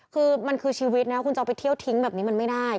คือมันคือชีวิตนะคุณจะเอาไปเที่ยวทิ้งแบบนี้มันไม่ได้